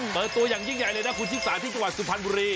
เปิดตัวอย่างยิ่งใหญ่เลยนะคุณชิสาที่จังหวัดสุพรรณบุรี